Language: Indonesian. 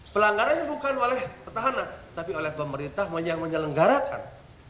pelanggarannya bukan oleh petahana tapi oleh pemerintah yang menyelenggarakan